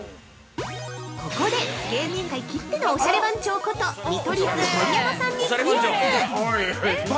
◆ここで、芸人界きってのおしゃれ番長こと見取り図盛山さんにクイズ！